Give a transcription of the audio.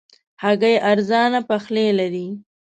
هګۍ ارزانه پخلی لري.